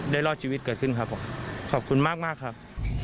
รอดชีวิตเกิดขึ้นครับผมขอบคุณมากมากครับ